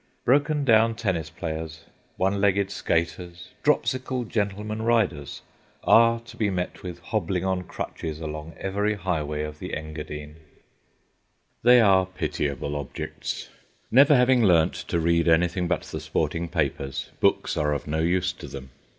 Broken down tennis players, one legged skaters, dropsical gentlemen riders, are to be met with hobbling on crutches along every highway of the Engadine. They are pitiable objects. Never having learnt to read anything but the sporting papers, books are of no use to them.